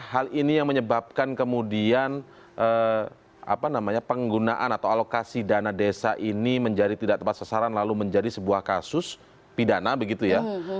hal ini yang menyebabkan kemudian penggunaan atau alokasi dana desa ini menjadi tidak tepat sasaran lalu menjadi sebuah kasus pidana begitu ya